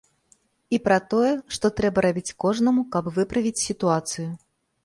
І пра тое, што трэба рабіць кожнаму, каб выправіць сітуацыю.